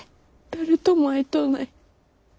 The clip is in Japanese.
誰とも会いとうない。